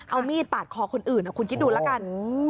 เอามีดปาดคอคนอื่นคุณคิดดูแล้วกัน